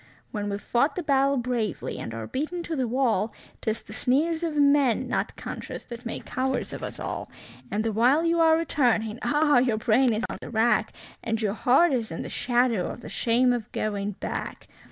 When we've fought the battle bravely and are beaten to the wall, 'Tis the sneers of men, not conscience, that make cowards of us all; And the while you are returning, oh! your brain is on the rack, And your heart is in the shadow of the shame of going back.